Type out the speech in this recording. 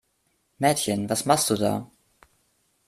Mädchen, was machst du da?